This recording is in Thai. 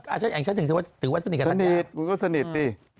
อ่ะฉันถือว่าสนิทกับคุณนายธัญานะสนิทคุณก็สนิทดิ